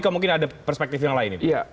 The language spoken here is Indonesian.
mungkin ada perspektif yang lain ini